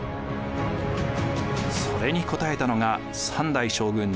それに応えたのが３代将軍